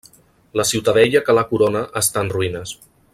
La ciutadella que la corona està en ruïnes.